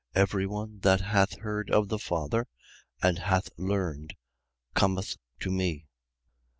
Every one that hath heard of the Father and hath learned cometh forth me.